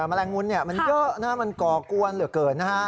แมลงมุนมันเยอะนะมันก่อกวนเหลือเกินนะฮะ